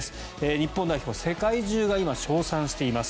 日本代表を世界中が今、称賛しています。